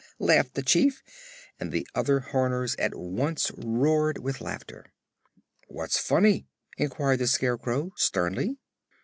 laughed the Chief, and the other Horners at once roared with laughter. "What's funny?" inquired the Scarecrow sternly.